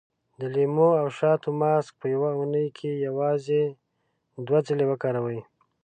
د لیمو او شاتو ماسک په يوه اونۍ کې یوازې دوه ځلې وکاروئ.